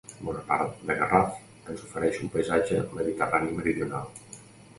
Bona part de Garraf ens ofereix un paisatge mediterrani meridional.